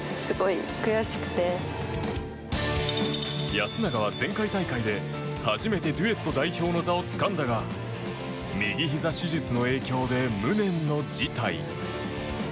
安永は前回大会で、初めてデュエット代表の座をつかんだが右ひざ手術の影響で無念の辞退。